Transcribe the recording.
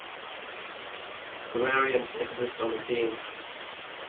Variants exist on the theme.